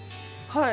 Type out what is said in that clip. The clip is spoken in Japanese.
はい。